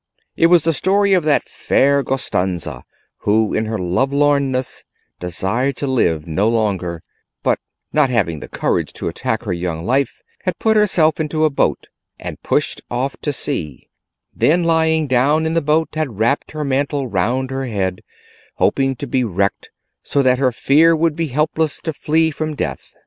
It was the story of that fair Gostanza who in her lovelorn ness desired to live no longer, but not having the courage to attack her young life, had put herself into a boat and pushed off to sea; then, lying down in the boat, had wrapt her mantle round her head, hoping to be wrecked, so that her fear would be helpless to flee from death.